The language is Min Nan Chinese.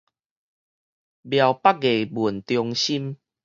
苗北藝文中心